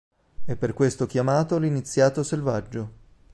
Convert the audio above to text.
È per questo chiamato "L’iniziato selvaggio".